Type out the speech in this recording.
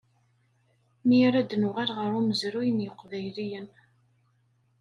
Mi ara d-nuɣal ɣer umezruy n yiqbayliyen.